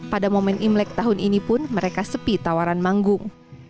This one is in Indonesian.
pada momen imlek tahun ini pun mereka sepi tawaran manggung